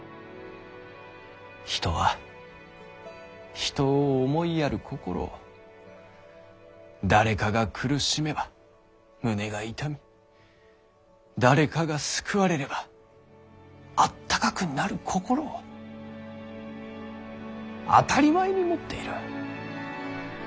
人は人を思いやる心を誰かが苦しめば胸が痛み誰かが救われればあったかくなる心を当たり前に持っている。